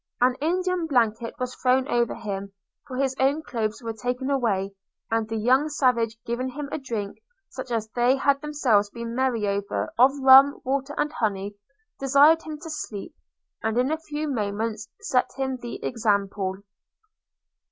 An Indian blanket was thrown over him, for his own clothes were taken away; and the young savage giving him a drink, such as they had themselves been merry over, of rum, water and honey, desired him to sleep, and in a few moments set him the example.